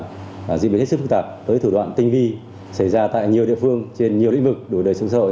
diễn biến hết sức phức tạp với thủ đoạn tinh vi xảy ra tại nhiều địa phương trên nhiều lĩnh vực đổi đời sự sộ